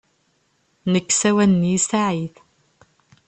Nek sawalen-iyi Saɛid.